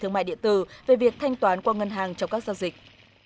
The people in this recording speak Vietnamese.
thương mại điện tử về việc thanh toán qua ngân hàng trong các giao dịch